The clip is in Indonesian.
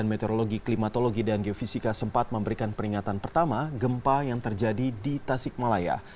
pemimpin meteorologi klimatologi dan geofisika sempat memberikan peringatan pertama gempa yang terjadi di tasikmalaya